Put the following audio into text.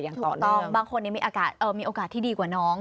ถูกต้องบางคนยังมีโอกาสที่ดีกว่าน้อง